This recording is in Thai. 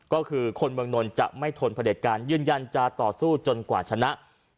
ก็คือคนเมืองนนท์จะไม่ทนผลิตการยืนยันจะต่อสู้จนกว่าชนะ